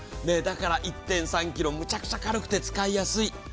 だから、１．３ｋｇ、むちゃくちゃ軽くて使いやすい。